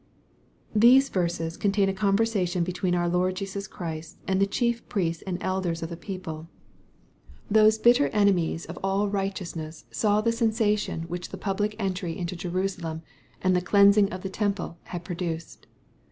These verses contain a conversation between our Lord Jesus Christ, and the chief priests and elders of the people. Those hitter enemies of all righteousness saw I ■ ff 2T2 EXPOSITOBY THOUGHTS. the sensation which the public entry into Jerusalem^ and the cleansing of the temple, had produced.